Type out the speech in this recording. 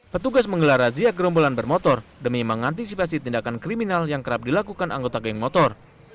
petugas menggelar razia gerombolan bermotor demi mengantisipasi tindakan kriminal yang kerap dilakukan anggota geng motor